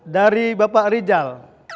dari bapak rizal